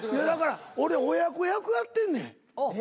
俺親子役やってんねん。